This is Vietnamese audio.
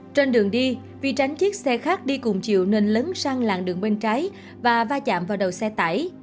trên đường đi vì tránh chiếc xe khác đi cùng chiều nên lấn sang làn đường bên trái và va chạm vào đầu xe tải